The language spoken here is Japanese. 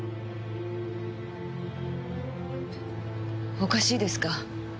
おかしいですか？